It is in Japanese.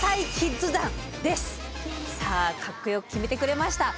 さあかっこよく決めてくれました。